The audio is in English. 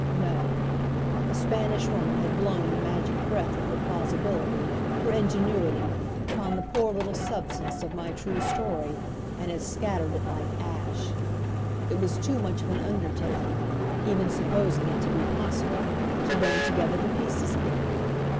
No. The Spanish Woman had blown the magic breath of her plausibility, her ingenuity, upon the poor little substance of my true story, and had scattered it like ash. It was too much of an undertaking, even supposing it to be possible, to bring together the pieces again.